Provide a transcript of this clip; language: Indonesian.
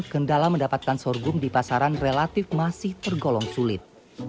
kendala mendapatkan sorghum di pasaran relatif masih tergolong sulit